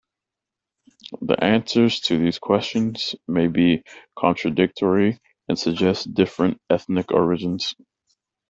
The answers to these questions may be contradictory and suggest different ethnic origins.